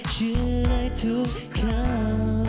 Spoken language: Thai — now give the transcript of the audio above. เชื่อได้ทุกคำ